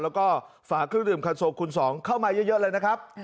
แล้วก็ฝาเครื่องดื่มคันโซคูณ๒เข้ามาเยอะเลยนะครับ